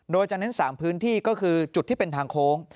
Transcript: โดยจะเน้น๓พื้นที่ก็คือจุดที่เป็นทางโค้ง